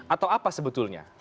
atau apa sebetulnya